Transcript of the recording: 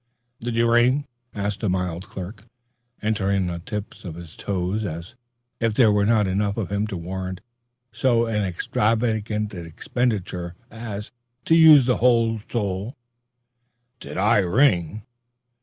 "Did you ring?" asked a mild clerk, entering on the tips of his toes as if there were not enough of him to warrant so extravagant an expenditure as the use of his whole sole. Did I ring?